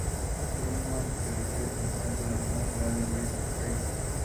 De hecho, Eichmann se llegó a referir a Brunner como su "mejor hombre".